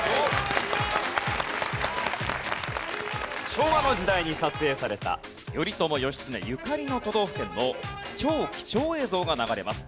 昭和の時代に撮影された頼朝・義経ゆかりの都道府県の超貴重映像が流れます。